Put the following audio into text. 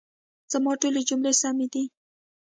زما ټولي جملې سمي دي؟